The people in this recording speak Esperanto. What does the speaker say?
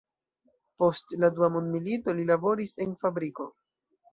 Post la dua mondmilito, li laboris en fabriko.